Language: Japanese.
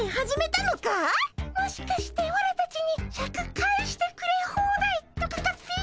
もしかしてオラたちにシャク返してくれホーダイとかかっピィ？